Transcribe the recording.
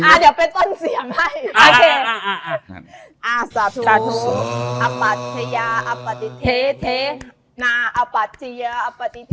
อ่ะเดี๋ยวไปต้นเสียงให้